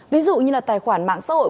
ví dụ như là tài khoản mạng xã hội